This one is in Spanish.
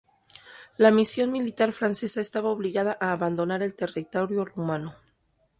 La misión militar francesa estaba obligada a abandonar el territorio rumano.